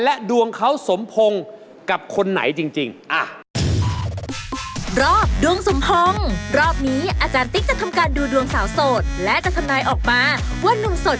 ดวงเขาสมพงศ์กับคนไหนจริง